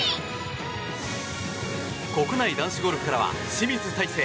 国内男子ゴルフからは清水大成。